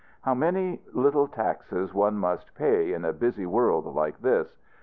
How many little taxes one must pay, in a busy world like this!